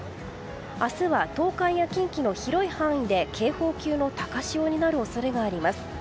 明日は東海や近畿の広い範囲で警報級の高潮になる恐れがあります。